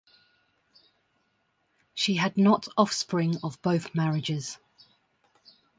She had not offspring of both marriages.